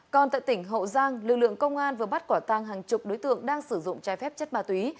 còn tại tỉnh hậu giang lực lượng công an vừa bắt quả tang hàng chục đối tượng đang sử dụng trái phép chất ma túy